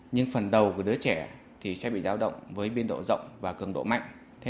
nhưng phần đầu của đứa trẻ thì sẽ bị giao động với biên độ rộng và cực độ mạnh